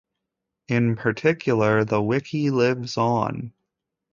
In particular, the wiki lives on.